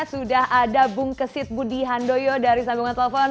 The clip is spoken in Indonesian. sudah ada bung kesit budi handoyo dari sambungan telepon